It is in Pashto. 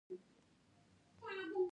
د دې کتاب ليکل به له څېړنې پرته ناشوني و.